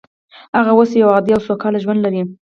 هغه اوس یو عادي او سوکاله ژوند لري